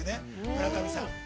村上さん。